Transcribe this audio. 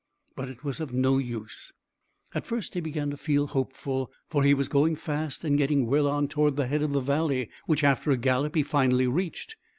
But it was of no use. At first he began to feel hopeful, for he was going fast and getting well on towards the head of the valley, which after a gallop he finally reached.